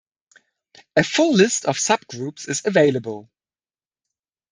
A full list of subgroups is available.